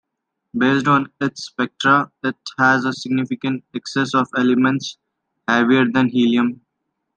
Based on its spectra, it has a significant excess of elements heavier than helium.